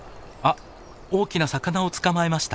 大きな魚を捕まえました。